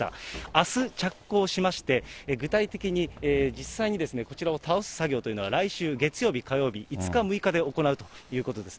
あす着工しまして、具体的に実際にこちらを倒す作業というのは来週月曜日、火曜日、５日、６日で行うということです。